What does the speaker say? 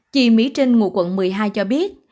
chị mỹ trinh ngụ quận một mươi hai cho biết